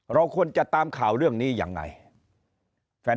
เราควรจะตามข่าวเรื่องนี้ยังไง